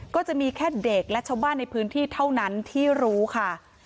ก็จะมีแค่เด็กและชาวบ้านในพื้นที่เท่านั้นที่รู้ค่ะ